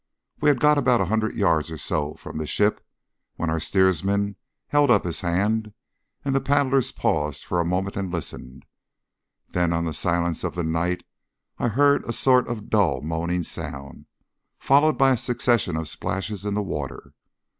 We had got about a hundred yards or so from the ship when our steersman held up his hand, and the paddlers paused for a moment and listened. Then on the silence of the night I heard a sort of dull, moaning sound, followed by a succession of splashes in the water.